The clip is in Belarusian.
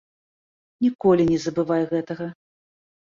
Ніколі не забывай гэтага.